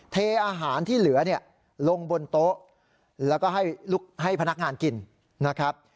เทอาหารที่เหลือเนี่ยลงบนโต๊ะแล้วก็ให้พนักงานกินนะครับ